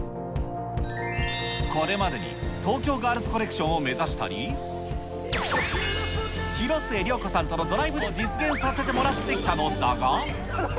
これまでに東京ガールズコレクションを目指したり、広末涼子さんとのドライブを実現させてもらってきたのだが。